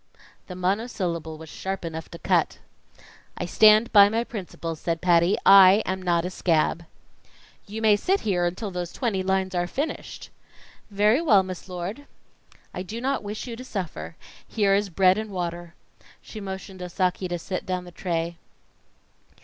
The monosyllable was sharp enough to cut. "I stand by my principles," said Patty. "I am not a scab." [Illustration: Patty just had time to snatch the box] "You may sit here until those twenty lines are finished." "Very well, Miss Lord." "I do not wish you to suffer. Here is bread and water." She motioned Osaki to set down the tray.